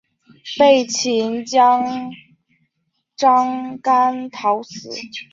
被秦将章邯讨死。